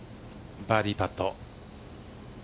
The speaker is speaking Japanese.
バーディーパット。